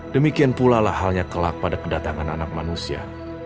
demikian pula lah halnya kelak pada kedatangan anak manusia